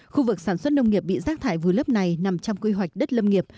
khu vực sản xuất nông nghiệp bị rác thải vùi lấp này nằm trong quy hoạch đất lâm nghiệp